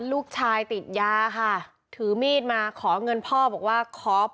ลูกชายติดยาค่ะถือมีดมาขอเงินพ่อบอกว่าขอ